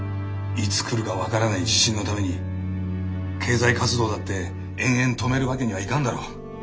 いつ来るか分からない地震のために経済活動だって延々止めるわけにはいかんだろう。